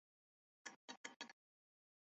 蒙特雷阿莱苏斯人口变化图示